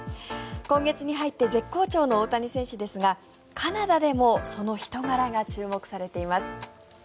今月に入って絶好調の大谷選手ですがカナダでもその人柄が注目されています。